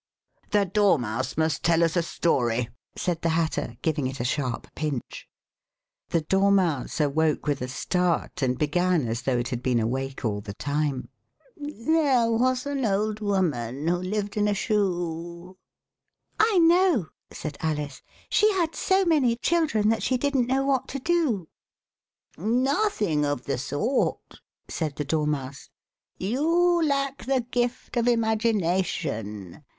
"The Dormouse must tell us a story," said the Hatter, giving it a sharp pinch. The Dormouse awoke with a start, and began as 56 Alice has Tea at the Hotel Cecil though it had been awake all the time :" There was an old woman who lived in a shoe "" I know," said Alice. " she had so many children that she didn't know what to do." TRVING TO MAKE HIM LOOK LIKE A LION. "Nothing of the sort," said the Dormouse, "you lack the gift of imagination.